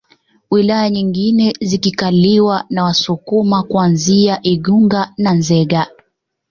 Wilaya nyingine zikikaliwa na Wasukuma kuanzia Igunga na Nzega